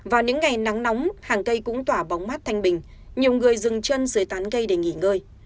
vào những ngày nắng nóng hàng cây cũng tỏa bóng mát thanh bình nhiều người dừng chân dưới tán cây để nghỉ ngơi